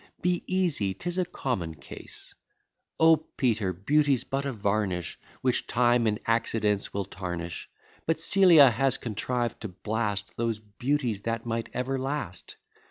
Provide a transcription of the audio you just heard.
Be easy, 'tis a common case. O Peter! beauty's but a varnish, Which time and accidents will tarnish: But Celia has contrived to blast Those beauties that might ever last.